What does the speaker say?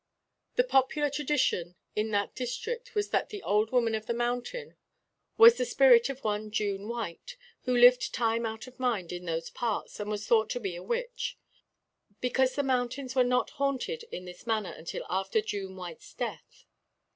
The popular tradition in that district was that the Old Woman of the Mountain was the spirit of one Juan White, who lived time out of mind in those parts, and was thought to be a witch; because the mountains were not haunted in this manner until after Juan White's death.